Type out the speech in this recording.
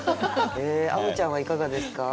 あむちゃんはいかがですか？